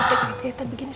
pakai kaget kagetan begini